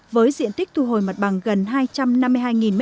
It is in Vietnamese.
với diện tích thu hồi mặt bằng gần hai trăm năm mươi hai m hai